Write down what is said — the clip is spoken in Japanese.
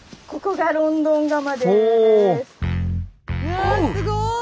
うわすごい！